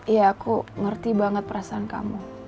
iya aku mengerti banget perasaan kamu